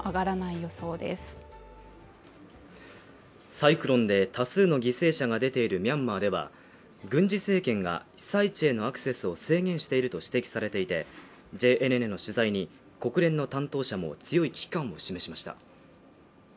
サイクロンで多数の犠牲者が出ているミャンマーでは、軍事政権が、被災地へのアクセスを制限していると指摘されていて、ＪＮＮの取材に国連の担当者も強い危機感を示しました。